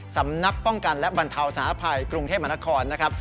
สำนักป้องกันและบรรเทาสาภัยกรุงเทพมหานครนะครับ